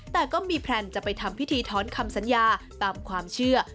แต่ก็มีแพลนจะไปทำพิธีถอนคำสัญญาตามความเชื่อ